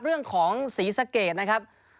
เรื่องของศรีสะเกดนะครับ